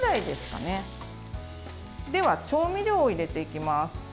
では、調味料を入れていきます。